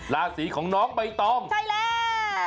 ราศีของน้องใบตองใช่แล้ว